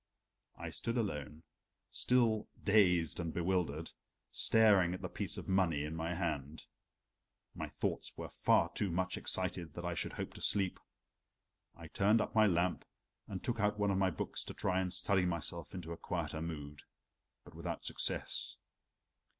I stood alone, still dazed and bewildered, staring at the piece of money in my hand. My thoughts were far too much excited that I should hope to sleep. I turned up my lamp and took out one of my books to try and study myself into a quieter mood. But without success.